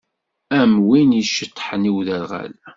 Am win iceṭḥen i uderɣal.